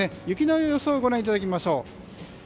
雪の予想をご覧いただきましょう。